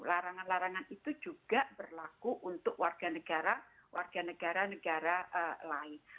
larangan larangan itu juga berlaku untuk warga negara warga negara negara lain